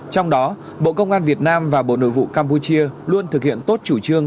trong đó bộ công an việt nam và bộ nội vụ campuchia luôn thực hiện tốt chủ trương